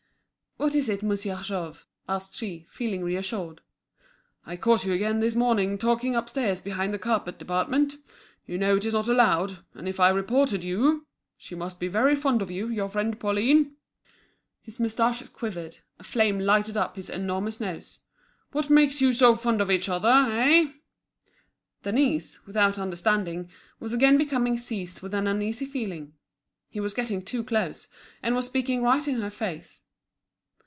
"What is it, Monsieur Jouve?" asked she, feeling reassured. "I caught you again this morning talking upstairs behind the carpet department. You know it is not allowed, and if I reported you—She must be very fond of you, your friend Pauline." His moustache quivered, a flame lighted up his enormous nose. "What makes you so fond of each other, eh?" Denise, without understanding, was again becoming seized with an uneasy feeling. He was getting too close, and was speaking right in her face.